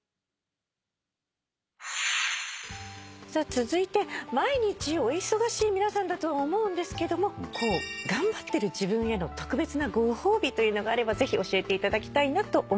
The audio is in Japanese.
続いて毎日お忙しい皆さんだとは思うんですけども頑張ってる自分への特別なご褒美というのがあればぜひ教えていただきたいなと思います。